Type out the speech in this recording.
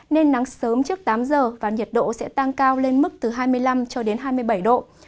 nên nắng sớm trước tám giờ và nhiệt độ sẽ tăng cao lên mức từ hai mươi năm cho đến hai mươi bảy độ